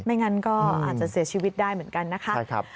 งั้นก็อาจจะเสียชีวิตได้เหมือนกันนะคะ